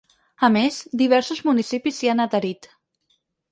A més, diversos municipis s’hi han adherit.